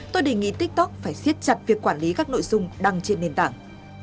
tôi đề nghị tiktok phải siết chặt việc quản lý các nội dung đăng trên nền tảng